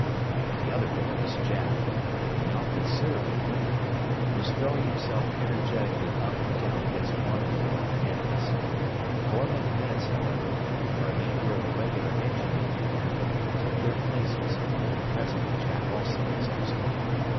With the other boys, Jack, though now considerably winded, was throwing himself energetically up and down against one of the long handles. Before many minutes, however, the remainder of the regular enginemen appeared, and took their places, and presently Jack also was ousted.